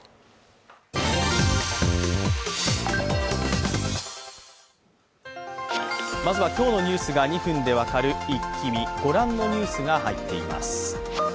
まずは今日のニュースが２分で分かるイッキ見、ご覧のニュースが入っています。